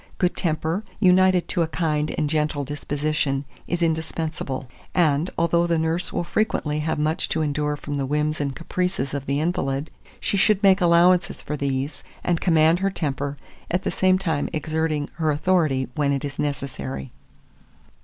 Good temper, united to a kind and gentle disposition, is indispensable; and, although the nurse will frequently have much to endure from the whims and caprices of the invalid, she should make allowances for these, and command her temper, at the same time exerting her authority when it is necessary.